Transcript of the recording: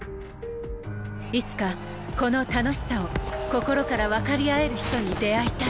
いつかこの楽しさを心からわかり合える人に出会いたい